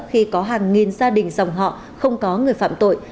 khi có hàng nghìn gia đình dòng họ không có người phạm tội